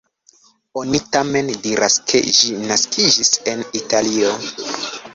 Oni tamen diras ke ĝi naskiĝis en Italio.